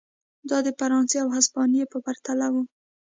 دا د فرانسې او هسپانیې په پرتله و.